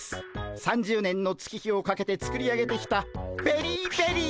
３０年の月日をかけて作り上げてきたベリーベリー